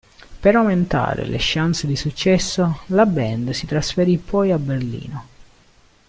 Per aumentare le chance di successo la band si trasferì poi a Berlino.